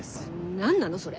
何なのそれ。